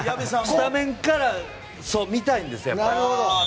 スタメンから見たいんですよ。